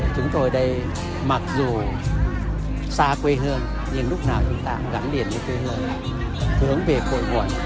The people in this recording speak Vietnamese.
chúng tôi ở đây mặc dù xa quê hương nhưng lúc nào chúng ta cũng gắn liền với quê hương hướng về cội nguồn